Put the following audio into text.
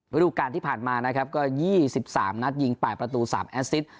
ฤดูการที่ผ่านมานะครับก็๒๓นัดยิง๘ประตู๓แอสซิส